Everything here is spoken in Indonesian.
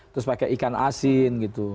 terus pakai ikan asin gitu